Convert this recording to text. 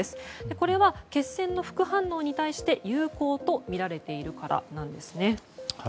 これは血栓の副反応に対して有効とみられているからです。